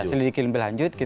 ya selidiki lanjut